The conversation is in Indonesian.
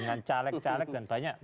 dengan caleg caleg dan banyak